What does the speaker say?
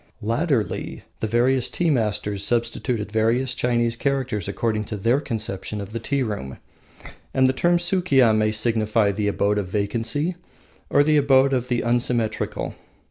Latterly the various tea masters substituted various Chinese characters according to their conception of the tea room, and the term Sukiya may signify the Abode of Vacancy or the Abode of the Unsymmetrical.